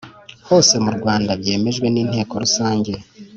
hose mu Rwanda byemejwe n Inteko Rusange